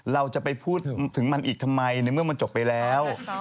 เราจะไปพูดถึงมันอีกทำไมในเมื่อมันจบไปแล้ว